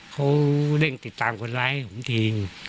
เขาเร่งติดตามคนร้ายให้ผมทิ้ง